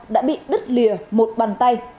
đã bị đứt lìa một bàn tay